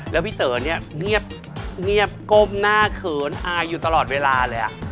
แล้วพี่เต๋อเนี่ยเงียบก้มหน้าเขินอายอยู่ตลอดเวลาเลย